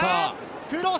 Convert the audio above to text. クロス。